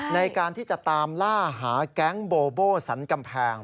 ในการที่จะตามล่าหาแก๊งโบโบสันกำแพง